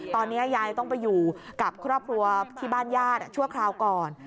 ตอนนี้ยายต้องไปอยู่กับครอบครัวที่บ้านญาติชั่วคราวก่อน